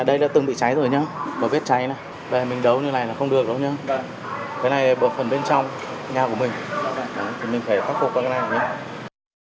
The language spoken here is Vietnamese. đây đã từng bị cháy rồi nhé có vết cháy này mình đấu như này là không được đúng không nhé cái này là bộ phần bên trong nhà của mình mình phải phát phục qua cái này này nhé